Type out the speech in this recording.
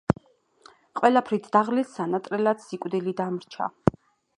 ყველაფრით დაღლილს სანატრელად სიკვდილი დამრჩა